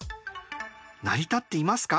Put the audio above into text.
成り立っていますか？